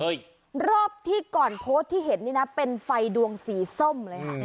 รอบที่ก่อนโพสต์ที่เห็นนี่นะเป็นไฟดวงสีส้มเลยค่ะ